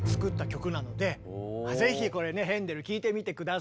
ぜひこれねヘンデル聴いてみて下さい。